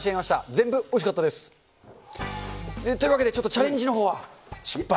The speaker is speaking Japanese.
全部おいしかったです。というわけで、ちょっとチャレンジのほうは失敗。